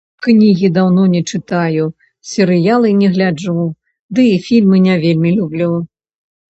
Кнігі даўно не чытаю, серыялы не гляджу, ды і фільмы не вельмі люблю.